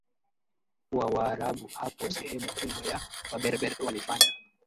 wa Waarabu Hapo sehemu kubwa ya Waberber walifanya